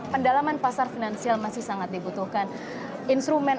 pendalaman pasar finansial masih sangat dibutuhkan